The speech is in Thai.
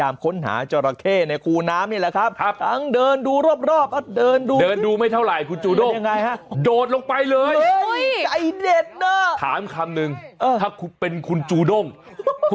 ไม่มีปลาดุกหรอกผมไม่กลัวปลาดุกตอดขาหรอก